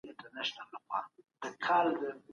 د افغان سوداګرو تاریخي میراث څنګه تر نن ورځې پاتې دی؟